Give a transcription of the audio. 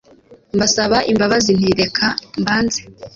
Mbasaba imbabazi nti : Reka mbanze